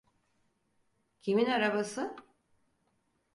Kimin arabası?